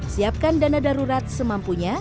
siapkan dana darurat semampunya